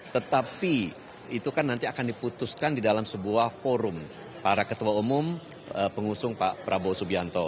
tetapi itu kan nanti akan diputuskan di dalam sebuah forum para ketua umum pengusung pak prabowo subianto